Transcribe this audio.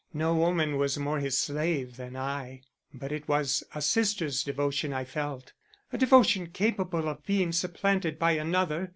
No woman was more his slave than I, but it was a sister's devotion I felt, a devotion capable of being supplanted by another.